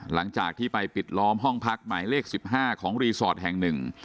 หลังจากที่ไปปิดล้อมห้องพักหมายเลขสิบห้าของรีสอร์ทแห่งหนึ่ง